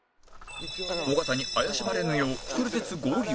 尾形に怪しまれぬよう１人ずつ合流